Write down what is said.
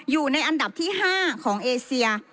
อยู่ในอันดับที่๕ของเอเซีย